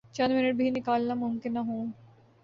چند منٹ بھی نکالنا ممکن نہ ہوں۔